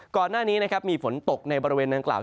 ก่อนหน้านี้นะครับมีฝนตกในบริเวณนางกล่าว